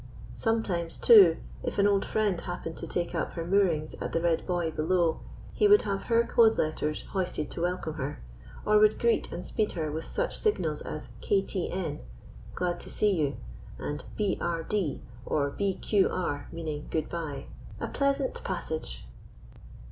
Sometimes, too, if an old friend happened to take up her moorings at the red buoy below, he would have her code letters hoisted to welcome her, or would greet and speed her with such signals as K.T.N., "Glad to see you," and B.R.D., or B.Q.R., meaning "Good bye," "A pleasant passage."